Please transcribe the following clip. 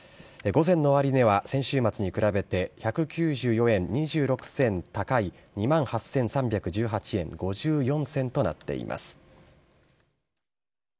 午前の終値は、先週末に比べて、１９４円２６銭高い、２万８３１８円５４銭となっています。